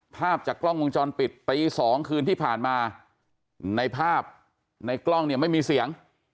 ภาพจากกล้องวงจรปิดตี๒คืนที่ผ่านมาในภาพในกล้องเนี่ยไม่มีเสียง